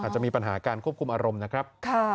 จะมีปัญหาการควบคุมอารมณ์นะครับ